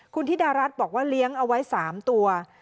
คุณธิดารัฐบอกว่าเลี้ยงเอาไว้๓ตัว